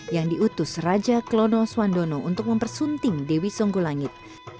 yang diutus raja klono swandono untuk mempersunting dewi songgulangit